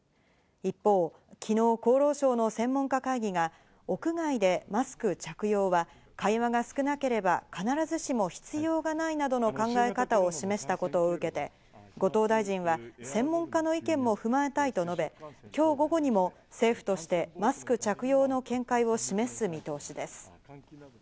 一方昨日、厚労省の専門家会議が、屋外でマスク着用は会話が少なければ必ずしも必要がないなどの考え方を示したことを受けて、後藤大臣は専門家の意見も踏まえたいと述べ、今日午後にも政府としてマスク着用の見解を示す見通しです。